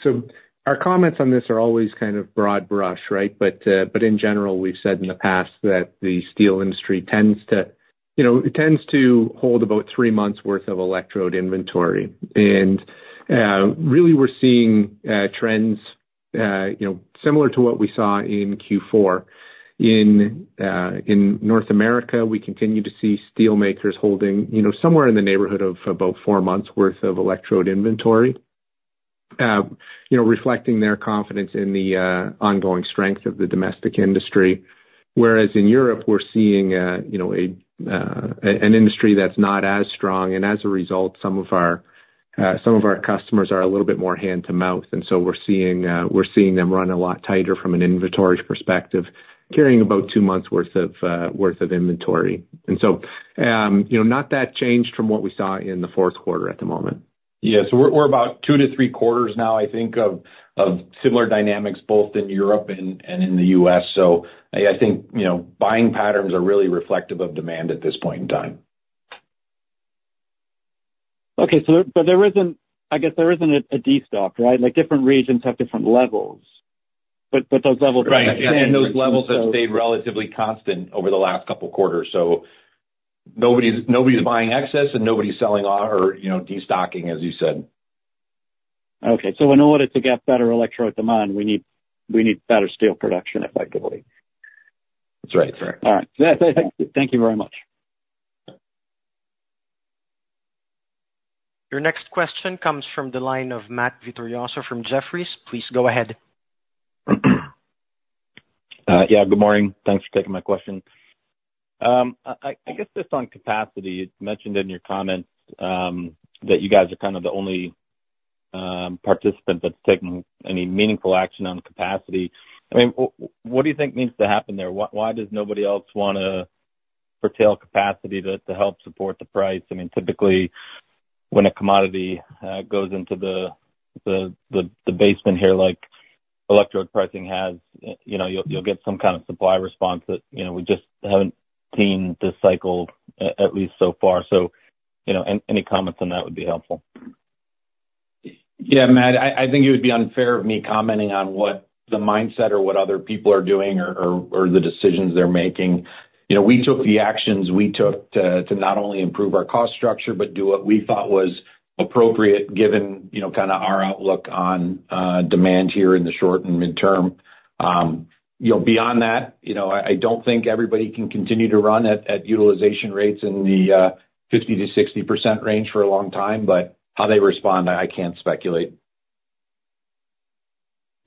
so our comments on this are always kind of broad brush, right? But, but in general, we've said in the past that the steel industry tends to... You know, it tends to hold about three months worth of electrode inventory. And, really, we're seeing trends you know, similar to what we saw in Q4. In, in North America, we continue to see steel makers holding, you know, somewhere in the neighborhood of about four months worth of electrode inventory, you know, reflecting their confidence in the, ongoing strength of the domestic industry. Whereas in Europe, we're seeing, you know, an industry that's not as strong, and as a result, some of our, some of our customers are a little bit more hand-to-mouth, and so we're seeing, we're seeing them run a lot tighter from an inventory perspective, carrying about two months' worth of inventory. And so, you know, not that changed from what we saw in the fourth quarter at the moment. Yeah. So we're about two-three quarters now, I think, of similar dynamics, both in Europe and in the U.S., so I think, you know, buying patterns are really reflective of demand at this point in time. Okay. So, but there isn't, I guess, there isn't a destock, right? Like, different regions have different levels, but those levels- Right. Those levels have stayed relatively constant over the last couple quarters, so nobody's buying excess and nobody's selling off or, you know, destocking, as you said. Okay. In order to get better electrode demand, we need, we need better steel production, effectively. That's right. Correct. All right. Yeah, thank you. Thank you very much. Your next question comes from the line of Matt Vittorioso from Jefferies. Please go ahead. Yeah, good morning. Thanks for taking my question. I guess just on capacity, you mentioned in your comments that you guys are kind of the only participant that's taking any meaningful action on capacity. I mean, what do you think needs to happen there? Why does nobody else wanna curtail capacity to help support the price? I mean, typically, when a commodity goes into the basement here, like electrode pricing has, you know, you'll get some kind of supply response that, you know, we just haven't seen this cycle, at least so far. So, you know, any comments on that would be helpful. Yeah, Matt, I, I think it would be unfair of me commenting on what the mindset or what other people are doing or, or, or the decisions they're making. You know, we took the actions we took to, to not only improve our cost structure, but do what we thought was appropriate, given, you know, kind of our outlook on demand here in the short and midterm. You know, beyond that, you know, I, I don't think everybody can continue to run at, at utilization rates in the 50%-60% range for a long time, but how they respond, I can't speculate.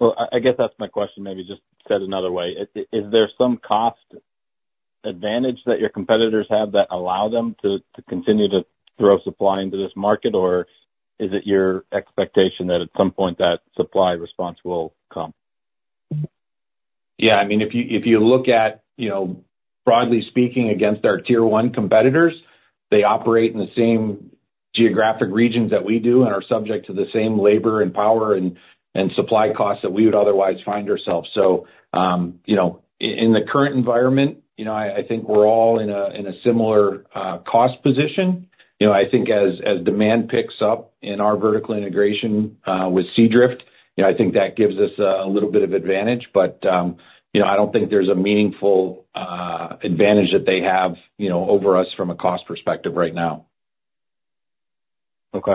Well, I guess that's my question, maybe just said another way. Is there some cost advantage that your competitors have that allow them to continue to throw supply into this market? Or is it your expectation that at some point that supply response will come? Yeah, I mean, if you look at, you know, broadly speaking, against our tier one competitors, they operate in the same geographic regions that we do and are subject to the same labor and power and supply costs that we would otherwise find ourselves. So, you know, in the current environment, you know, I think we're all in a similar cost position. You know, I think as demand picks up in our vertical integration with Seadrift, you know, I think that gives us a little bit of advantage. But, you know, I don't think there's a meaningful advantage that they have, you know, over us from a cost perspective right now. Okay.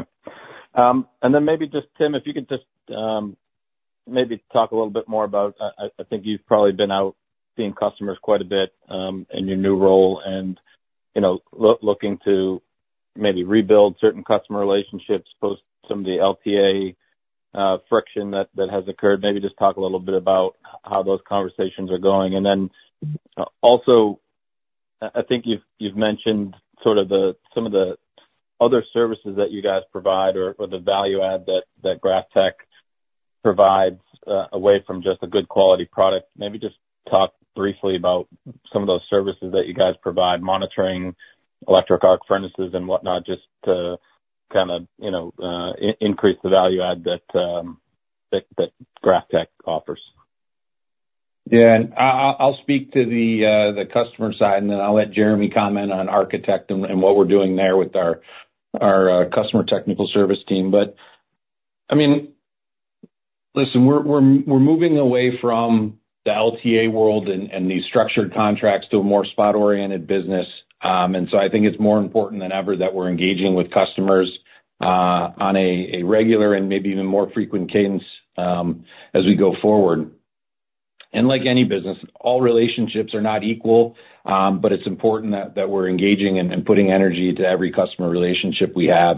And then maybe just, Tim, if you could just, maybe talk a little bit more about, I think you've probably been out seeing customers quite a bit, in your new role, and, you know, looking to maybe rebuild certain customer relationships, post some of the LTA friction that has occurred. Maybe just talk a little bit about how those conversations are going. And then, also, I think you've mentioned sort of the, some of the other services that you guys provide or the value add that GrafTech provides, away from just a good quality product. Maybe just talk briefly about some of those services that you guys provide, monitoring electric arc furnaces and whatnot, just to kind of, you know, increase the value add that GrafTech offers. Yeah. I'll speak to the customer side, and then I'll let Jeremy comment on ArchiTech and what we're doing there with our customer technical service team. But I mean, listen, we're moving away from the LTA world and these structured contracts to a more spot-oriented business. And so I think it's more important than ever that we're engaging with customers on a regular and maybe even more frequent cadence as we go forward. And like any business, all relationships are not equal, but it's important that we're engaging and putting energy to every customer relationship we have.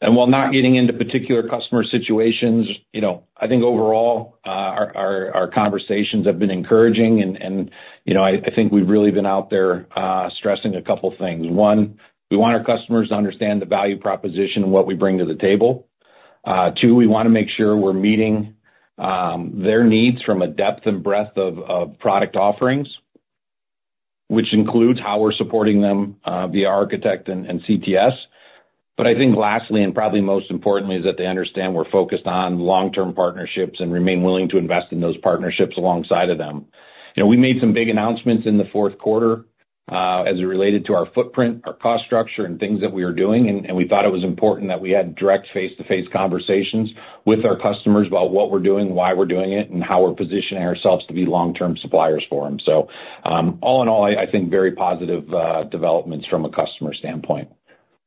While not getting into particular customer situations, you know, I think overall, our conversations have been encouraging, and, you know, I think we've really been out there, stressing a couple things. One, we want our customers to understand the value proposition and what we bring to the table. Two, we wanna make sure we're meeting their needs from a depth and breadth of product offerings, which includes how we're supporting them via ArchiTech and CTS. But I think lastly, and probably most importantly, is that they understand we're focused on long-term partnerships and remain willing to invest in those partnerships alongside of them. You know, we made some big announcements in the fourth quarter as it related to our footprint, our cost structure, and things that we are doing, and we thought it was important that we had direct face-to-face conversations with our customers about what we're doing, why we're doing it, and how we're positioning ourselves to be long-term suppliers for them. So, all in all, I think very positive developments from a customer standpoint....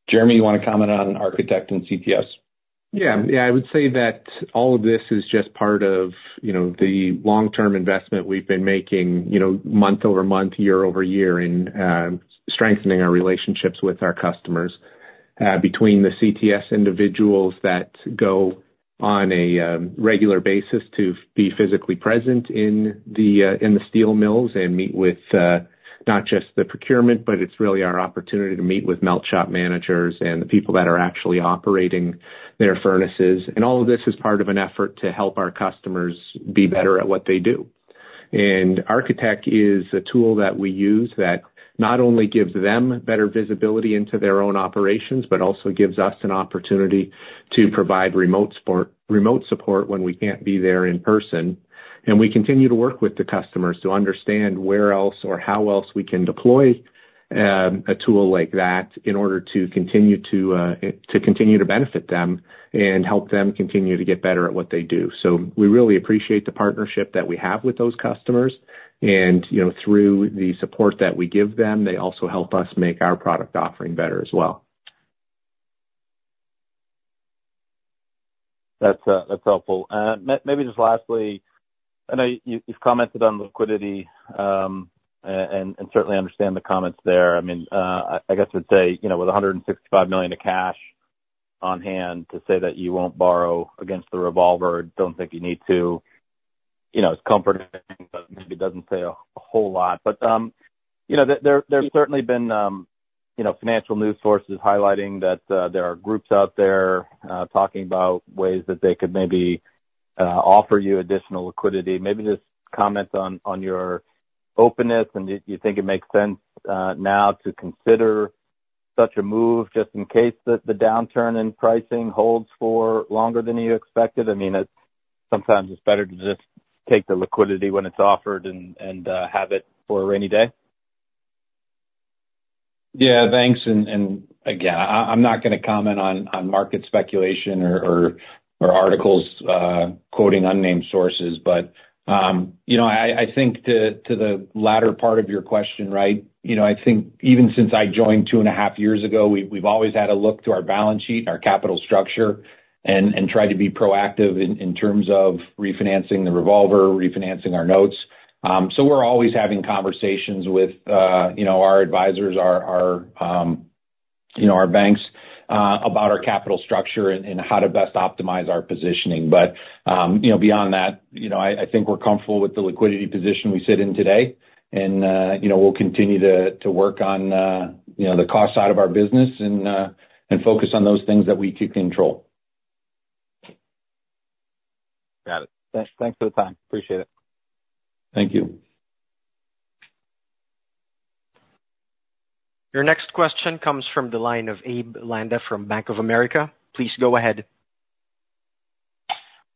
Jeremy, you want to comment on ArchiTech and CTS? Yeah. Yeah, I would say that all of this is just part of, you know, the long-term investment we've been making, you know, month-over-month, year-over-year, in strengthening our relationships with our customers. Between the CTS individuals that go on a regular basis to be physically present in the in the steel mills and meet with not just the procurement, but it's really our opportunity to meet with melt shop managers and the people that are actually operating their furnaces. And all of this is part of an effort to help our customers be better at what they do. And ArchiTech is a tool that we use that not only gives them better visibility into their own operations, but also gives us an opportunity to provide remote support when we can't be there in person. We continue to work with the customers to understand where else or how else we can deploy a tool like that in order to continue to benefit them and help them continue to get better at what they do. So we really appreciate the partnership that we have with those customers, and, you know, through the support that we give them, they also help us make our product offering better as well. That's, that's helpful. Maybe just lastly, I know you, you've commented on liquidity, and certainly understand the comments there. I mean, I guess I'd say, you know, with $165 million of cash on hand, to say that you won't borrow against the revolver, don't think you need to, you know, it's comforting, but maybe doesn't say a whole lot. But, you know, there, there's certainly been, you know, financial news sources highlighting that, there are groups out there, talking about ways that they could maybe, offer you additional liquidity. Maybe just comment on, on your openness, and do you think it makes sense, now to consider such a move, just in case the downturn in pricing holds for longer than you expected? I mean, it's sometimes better to just take the liquidity when it's offered and have it for a rainy day. Yeah, thanks. And again, I'm not gonna comment on market speculation or articles quoting unnamed sources. But you know, I think to the latter part of your question, right, you know, I think even since I joined two and a half years ago, we've always had a look to our balance sheet and our capital structure and tried to be proactive in terms of refinancing the revolver, refinancing our notes. So we're always having conversations with you know, our advisors, our you know, our banks about our capital structure and how to best optimize our positioning. But, you know, beyond that, you know, I think we're comfortable with the liquidity position we sit in today, and, you know, we'll continue to work on the cost side of our business and focus on those things that we can control. Got it. Thanks. Thanks for the time. Appreciate it. Thank you. Your next question comes from the line of Abe Landa from Bank of America. Please go ahead.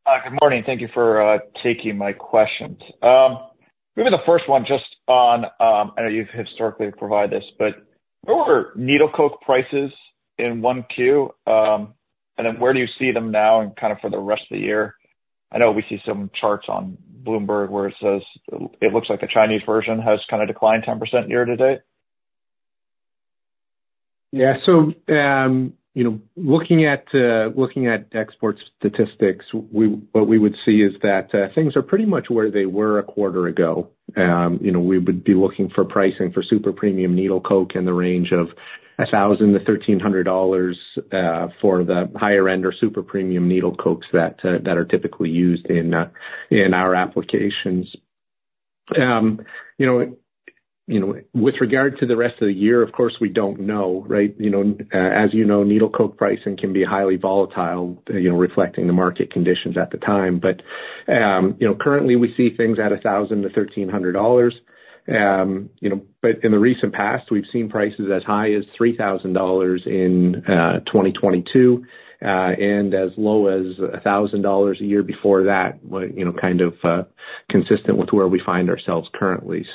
Good morning. Thank you for taking my questions. Maybe the first one just on, I know you've historically provided this, but where were needle coke prices in 1Q? And then where do you see them now and kind of for the rest of the year? I know we see some charts on Bloomberg where it says it looks like the Chinese version has kind of declined 10% year to date. Yeah. So, you know, looking at export statistics, what we would see is that, things are pretty much where they were a quarter ago. You know, we would be looking for pricing for super premium needle coke in the range of $1,000-$1,300, for the higher end or super premium needle cokes that are typically used in our applications. You know, with regard to the rest of the year, of course, we don't know, right? You know, as you know, needle coke pricing can be highly volatile, you know, reflecting the market conditions at the time. But, you know, currently we see things at $1,000-$1,300. You know, but in the recent past, we've seen prices as high as $3,000 in 2022, and as low as $1,000 a year before that. But, you know, kind of consistent with where we find ourselves currently.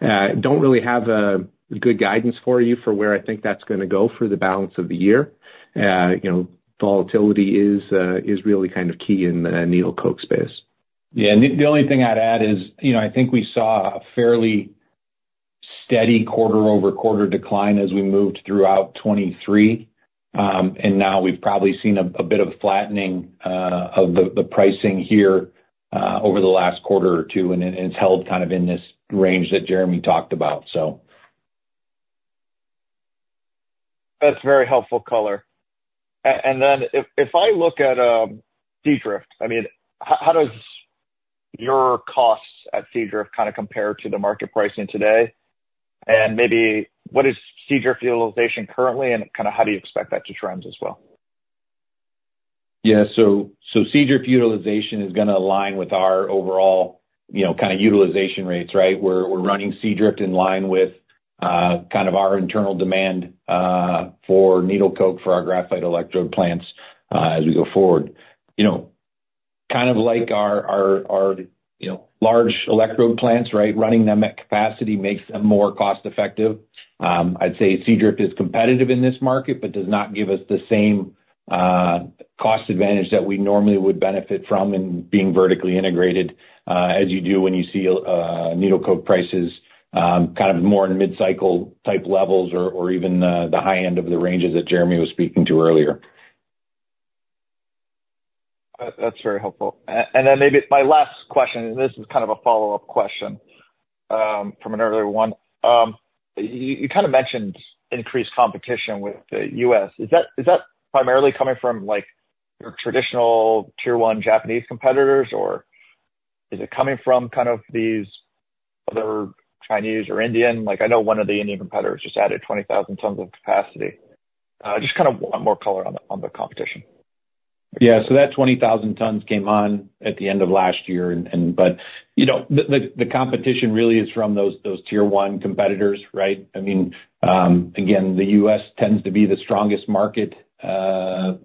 Don't really have a good guidance for you for where I think that's gonna go for the balance of the year. You know, volatility is really kind of key in the needle coke space. Yeah. The only thing I'd add is, you know, I think we saw a fairly steady quarter-over-quarter decline as we moved throughout 2023. And now we've probably seen a bit of flattening of the pricing here over the last quarter or two, and it's held kind of in this range that Jeremy talked about so... That's very helpful color. And then if I look at Seadrift, I mean, how does your costs at Seadrift kind of compare to the market pricing today? And maybe what is Seadrift utilization currently, and kind of how do you expect that to trend as well? Yeah. So Seadrift utilization is gonna align with our overall, you know, kind of utilization rates, right? We're running Seadrift in line with kind of our internal demand for needle coke for our graphite electrode plants as we go forward. You know, kind of like our large electrode plants, right? Running them at capacity makes them more cost effective. I'd say Seadrift is competitive in this market, but does not give us the same cost advantage that we normally would benefit from in being vertically integrated, as you do when you see needle coke prices kind of more in mid-cycle type levels or even the high end of the ranges that Jeremy was speaking to earlier. That's very helpful. And then maybe my last question, and this is kind of a follow-up question from an earlier one. You kind of mentioned increased competition with the U.S. Is that primarily coming from, like, your traditional Tier One Japanese competitors, or is it coming from kind of these other Chinese or Indian? Like I know one of the Indian competitors just added 20,000 tons of capacity. Just kind of want more color on the, on the competition. Yeah, so that 20,000 tons came on at the end of last year. But you know, the competition really is from those Tier One competitors, right? I mean, again, the U.S. tends to be the strongest market out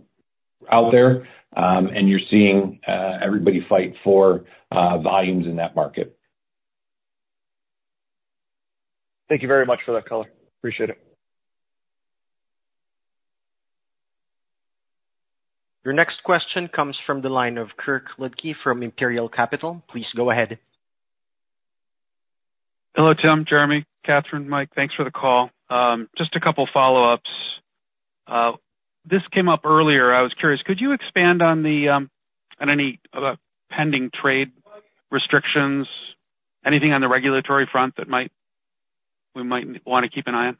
there. And you're seeing everybody fight for volumes in that market. Thank you very much for that color. Appreciate it. Your next question comes from the line of Kirk Ludtke from Imperial Capital. Please go ahead. Hello, Tim, Jeremy, Catherine, Mike, thanks for the call. Just a couple follow-ups. This came up earlier, I was curious, could you expand on any pending trade restrictions, anything on the regulatory front we might wanna keep an eye on?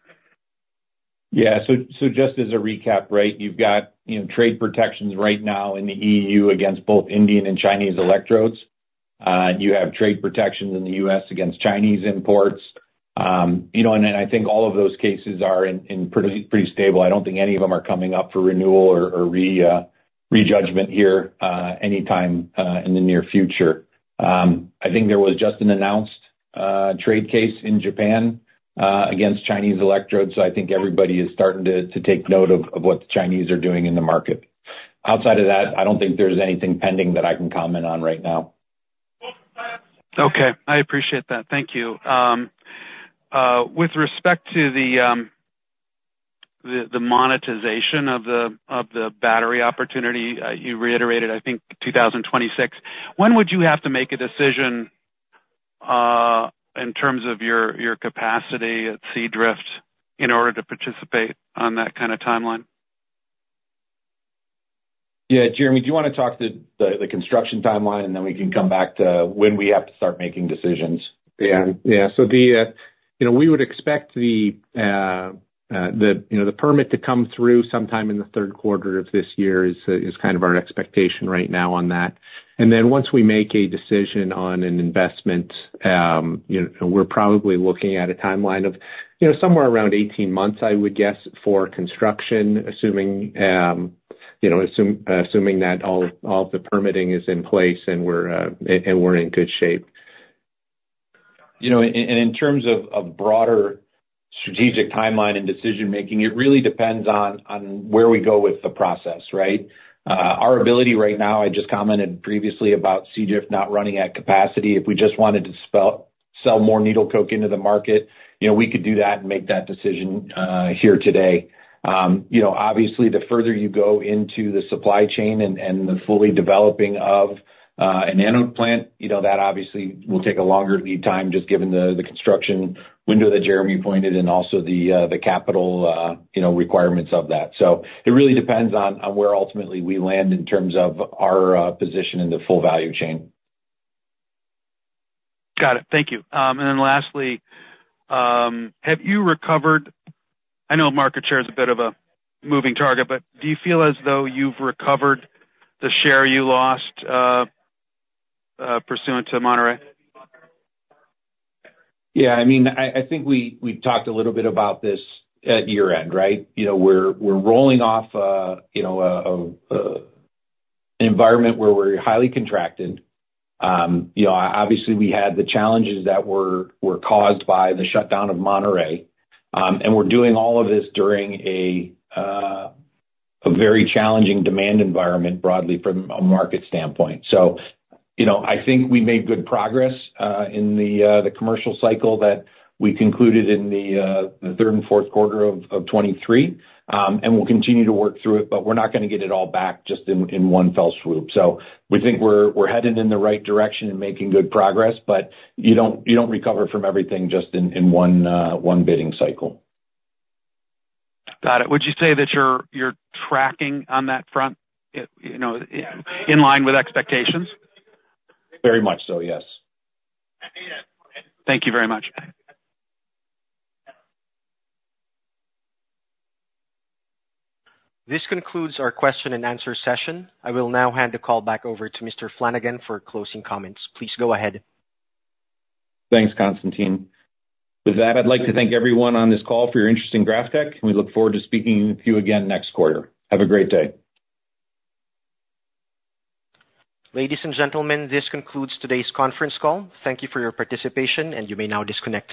Yeah. So just as a recap, right? You've got, you know, trade protections right now in the EU against both Indian and Chinese electrodes. You have trade protections in the U.S. against Chinese imports. You know, and then I think all of those cases are in pretty stable. I don't think any of them are coming up for renewal or rejudgment here anytime in the near future. I think there was just an announced trade case in Japan against Chinese electrodes, so I think everybody is starting to take note of what the Chinese are doing in the market. Outside of that, I don't think there's anything pending that I can comment on right now. Okay, I appreciate that. Thank you. With respect to the monetization of the battery opportunity, you reiterated, I think, 2026, when would you have to make a decision in terms of your capacity at Seadrift in order to participate on that kind of timeline? Yeah. Jeremy, do you wanna talk to the construction timeline, and then we can come back to when we have to start making decisions? Yeah. Yeah. So, you know, we would expect the permit to come through sometime in the third quarter of this year. That is kind of our expectation right now on that. And then once we make a decision on an investment, you know, we're probably looking at a timeline of, you know, somewhere around 18 months, I would guess, for construction, assuming, you know, assuming that all the permitting is in place and we're, and we're in good shape. You know, in terms of broader strategic timeline and decision making, it really depends on where we go with the process, right? Our ability right now, I just commented previously about Seadrift not running at capacity. If we just wanted to sell more needle coke into the market, you know, we could do that and make that decision here today. You know, obviously, the further you go into the supply chain and the fully developing of an anode plant, you know, that obviously will take a longer lead time, just given the construction window that Jeremy pointed and also the capital requirements of that. So it really depends on where ultimately we land in terms of our position in the full value chain. Got it. Thank you. And then lastly, have you recovered? I know market share is a bit of a moving target, but do you feel as though you've recovered the share you lost, pursuant to Monterrey? Yeah, I mean, I think we've talked a little bit about this at year-end, right? You know, we're rolling off, you know, an environment where we're highly contracted. You know, obviously, we had the challenges that were caused by the shutdown of Monterrey. And we're doing all of this during a very challenging demand environment, broadly from a market standpoint. So, you know, I think we made good progress in the commercial cycle that we concluded in the third and fourth quarter of 2023. And we'll continue to work through it, but we're not gonna get it all back just in one fell swoop. So we think we're headed in the right direction and making good progress, but you don't recover from everything just in one bidding cycle. Got it. Would you say that you're tracking on that front, you know, in line with expectations? Very much so, yes. Thank you very much. This concludes our question-and-answer session. I will now hand the call back over to Mr. Flanagan for closing comments. Please go ahead. Thanks, Constantine. With that, I'd like to thank everyone on this call for your interest in GrafTech, and we look forward to speaking with you again next quarter. Have a great day. Ladies and gentlemen, this concludes today's conference call. Thank you for your participation, and you may now disconnect your lines.